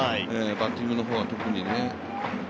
バッティングの方は特にね。